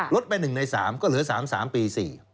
ไป๑ใน๓ก็เหลือ๓๓ปี๔